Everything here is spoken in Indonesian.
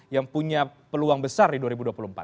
yang punya peluang besar di dua ribu dua puluh empat